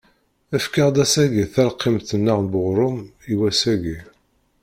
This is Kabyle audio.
Efk-aɣ-d ass-agi talqimt-nneɣ n uɣrum i wass-agi.